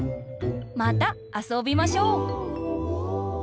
またあそびましょう！